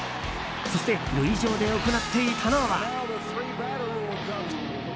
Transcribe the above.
そして塁上で行っていたのは。